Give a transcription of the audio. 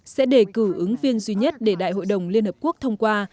sẽ đề cử ứng viên duy nhất để đại hội đồng liên hợp quốc thông qua